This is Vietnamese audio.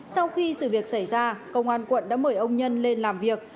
sau khi sự việc xảy ra công an quận đã mời ông nhân lên làm việc